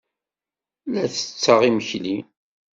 La ttetteɣ imekli.